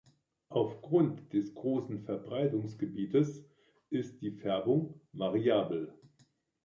Aufgrund des großen Verbreitungsgebietes ist die Färbung variabel.